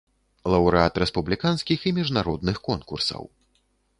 Лаўрэат рэспубліканскіх і міжнародных конкурсаў.